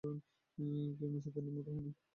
সেই মেছুনীদের মত হয় না।